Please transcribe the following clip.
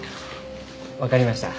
わかりました。